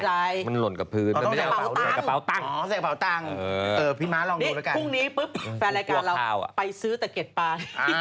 พี่ม้าลองดูแล้วกันพรุ่งนี้ปุ๊บแฟนรายการเราไปซื้อตะเก็ดปลา